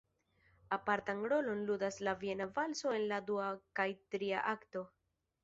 Apartan rolon ludas la viena valso en la dua kaj tria akto.